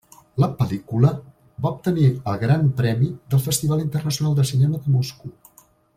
La pel·lícula va obtenir el Gran Premi del Festival Internacional de Cinema de Moscou.